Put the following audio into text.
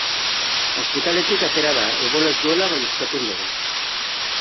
Ospitaletik atera da, ebola ez duela baieztatu ondoren.